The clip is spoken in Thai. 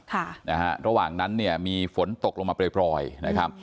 ค่ะนะฮะระหว่างนั้นเนี่ยมีฝนตกลงมาปล่อยปล่อยนะครับ